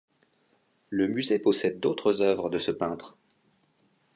Le musée possède d'autres œuvres de ce peintre.